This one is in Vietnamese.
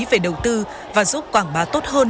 về đầu tư và giúp quảng bá tốt hơn